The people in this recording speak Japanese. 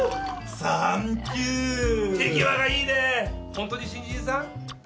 ホントに新人さん？